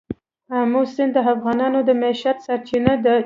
آمو سیند د افغانانو د معیشت سرچینه ده.